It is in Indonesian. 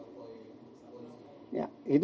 yang saat alkohol koi menjual lagu lagu memilih